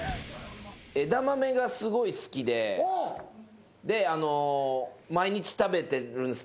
枝豆がすごい好きで毎日食べてるんですけど